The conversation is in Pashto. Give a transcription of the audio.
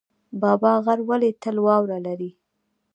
بابا غر ولې تل واوره لري؟